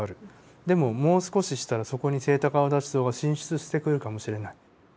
でももう少ししたらそこにセイタカアワダチソウが侵出してくるかもしれない。